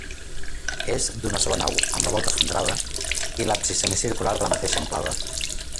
És d'una sola nau, amb la volta esfondrada, i l'absis semicircular de la mateixa amplada.